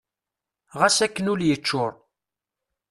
Ɣas akken ul yeččur.